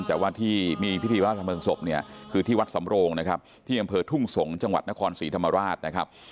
แต่ว่าที่มีพิธีพลังเผลิงศพคือที่วัดสำโรงที่อำเภอทุ่งสงตร์จังหวัดนครศรีธรรมาราช